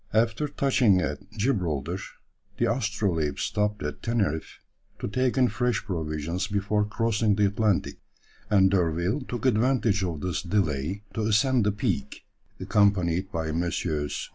After touching at Gibraltar, the Astrolabe stopped at Teneriffe to take in fresh provisions before crossing the Atlantic, and D'Urville took advantage of this delay to ascend the peak, accompanied by Messrs.